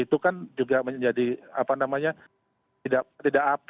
itu kan juga menjadi tidak apik lah di hadapan kejadian yang menghilangkan nyawa begitu banyak kan gitu